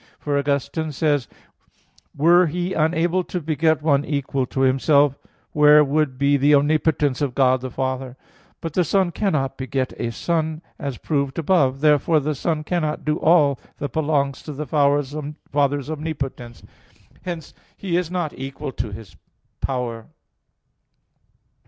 For Augustine says (Contra Maxim. iii, 7), "Were He unable to beget one equal to Himself, where would be the omnipotence of God the Father?" But the Son cannot beget a Son, as proved above (Q. 41, A. 6). Therefore the Son cannot do all that belongs to the Father's omnipotence; and hence He is not equal to Him power.